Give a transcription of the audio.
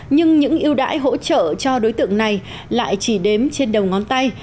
nhưng những ưu đãi hỗ trợ cho đối tượng này lại chỉ đếm trên đầu ngón tay